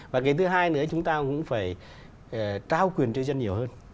và cái thứ hai nữa chúng ta cũng phải trao quyền cho dân nhiều hơn